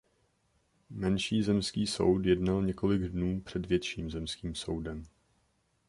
Menší zemský soud jednal několik dnů před větším zemským soudem.